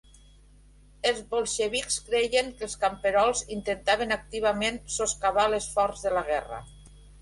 Els bolxevics creien que els camperols intentaven activament soscavar l'esforç de la guerra.